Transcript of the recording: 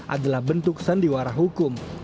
adalah bentuk sandiwara hukum